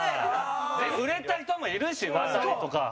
売れた人もいるし、ワタリとか。